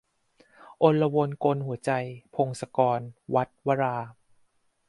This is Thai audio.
อลวนกลหัวใจ - พงศกร - วัสส์ วรา